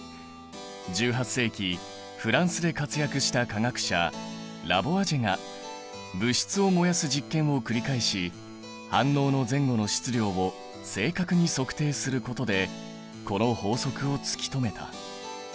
１８世紀フランスで活躍した化学者ラボアジェが物質を燃やす実験を繰り返し反応の前後の質量を正確に測定することでこの法則を突き止めた。